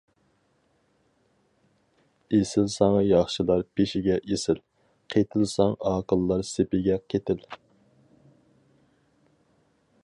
ئېسىلساڭ ياخشىلار پېشىگە ئېسىل، قېتىلساڭ ئاقىللار سېپىگە قېتىل.